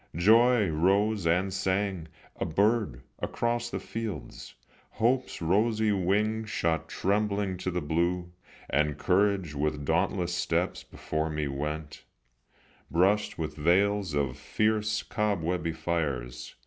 Joy rose and sang, a bird, across the fields, Hope's rosy wings shot trembling to the blue, And Courage with dauntless steps before me went, Brushing the veils of fierce cobwebby fires.